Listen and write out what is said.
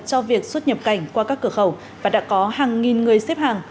cho việc xuất nhập cảnh qua các cửa khẩu và đã có hàng nghìn người xếp hàng